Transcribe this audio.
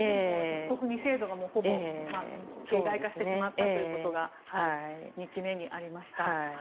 一国二制度が、ほぼ形骸化してしまったということが２期目にありました。